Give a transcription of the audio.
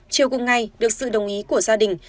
chiều cùng ngày được sự đồng ý của gia đình